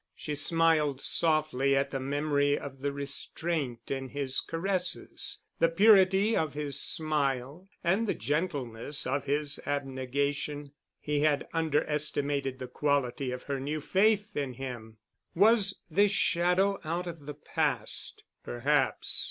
She smiled softly at the memory of the restraint in his caresses, the purity of his smile and the gentleness of his abnegation.... He had underestimated the quality of her new faith in him. Was this shadow out of the past? Perhaps.